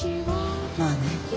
まあね。